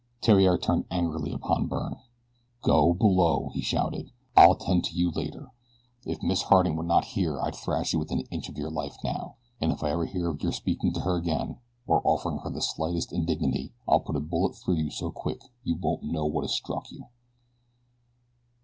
Theriere turned angrily upon Byrne. "Go below!" he shouted. "I'll attend to you later. If Miss Harding were not here I'd thrash you within an inch of your life now. And if I ever hear of your speaking to her again, or offering her the slightest indignity I'll put a bullet through you so quick you won't know what has struck you."